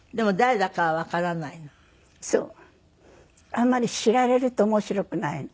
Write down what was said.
あんまり知られると面白くないの。